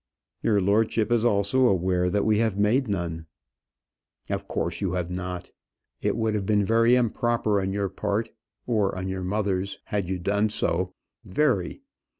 "Your lordship is also aware that we have made none." "Of course you have not. It would have been very improper on your part, or on your mother's, had you done so very.